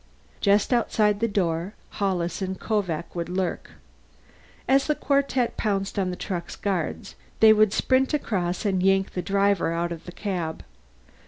Just outside the door, Hollis and Kovak would lurk. As the quartet pounced on the truck's guards, they would sprint across and yank the driver out of the cab.